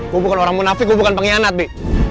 gue bukan orang munafik gue bukan pengkhianat nih